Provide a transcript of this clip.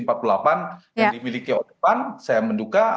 yang dimiliki odpan saya menduka